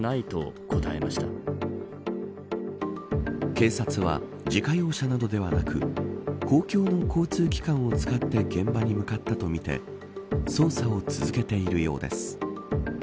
警察は、自家用車などではなく公共の交通機関を使って現場に向かったとみて捜査を続けているようです。